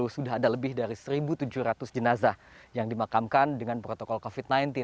sudah ada lebih dari satu tujuh ratus jenazah yang dimakamkan dengan protokol covid sembilan belas